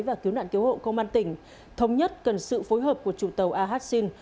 và cứu nạn cứu hộ công an tỉnh thống nhất cần sự phối hợp của chủ tàu ahat sin